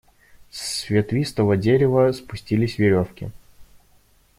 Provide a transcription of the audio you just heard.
С ветвистого дерева спустились веревки.